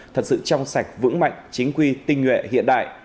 thật sự trong sạch vững mạnh chính quy tinh nguyện hiện đại